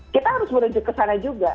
kita harus menuju ke sana juga